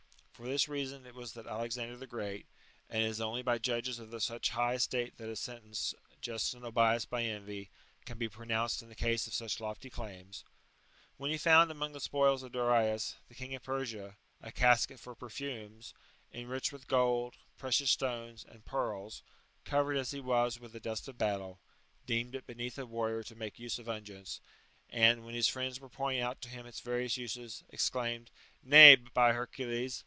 For this reason it ,vas that Alexander the Great — and it is only by judges of ;uch high estate that a sentence, just and unbiassed by envy, ;an be pronounced in the case of such lofty claims — when he bund among the spoils of Darius, the king of Persia, a casket "or perfumes, ^^ enriched with gold, precious stones, and pearls, ;overed as he was with the dust of battle, deemed it beneath a varrior to make use of unguents, and, when his friends were )ointing out to him its various uses, exclaimed, " Nay, but by lercules